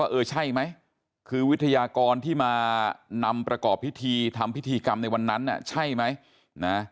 เออใช่ไหมคือวิทยากรที่มานำประกอบพิธีทำพิธีกรรมในวันนั้นใช่ไหมนะ